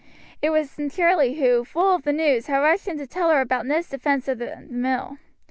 It was Charlie who, full of the news, had rushed in to tell her about Ned's defense at the mill.